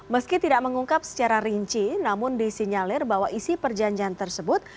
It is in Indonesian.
meski tidak mengungkap secara rinci namun disinyalir bahwa isi perjanjian tersebut